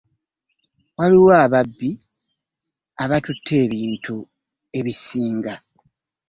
Waliwo ababbi abatutte ebintu ebisinga.